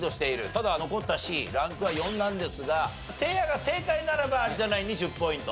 ただ残ったＣランクは４なんですがせいやが正解ならば有田ナインに１０ポイント。